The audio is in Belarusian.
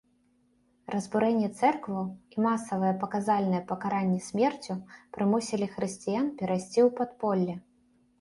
Разбурэнне цэркваў і масавыя паказальныя пакаранні смерцю прымусілі хрысціян перайсці ў падполле.